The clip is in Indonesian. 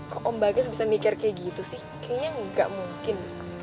kok om bagus bisa mikir kayak gitu sih kayaknya nggak mungkin